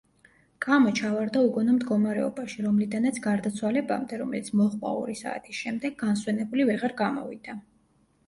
კამო ჩავარდა უგონო მდგომარეობაში, რომლიდანაც გარდაცვალებამდე, რომელიც მოჰყვა ორი საათის შემდეგ, განსვენებული ვეღარ გამოვიდა.